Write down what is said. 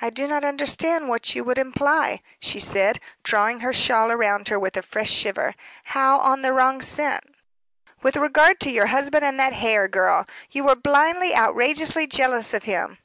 "I do not understand what you would imply," she said, drawing her shawl round her with a fresh shiver. "How on the wrong scent?" "With regard to your husband and that Hare girl. You were blindly, outrageously jealous of him."